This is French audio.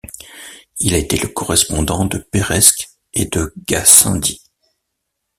Il a été le correspondant de Peiresc et de Gassendi.